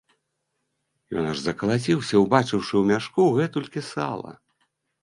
Ён аж закалаціўся, убачыўшы ў мяшку гэтулькі сала.